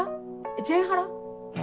ジェンハラ？